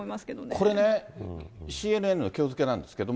これね、ＣＮＮのきょう付けなんですけれども。